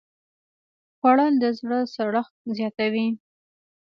خوړل د زړه سړښت زیاتوي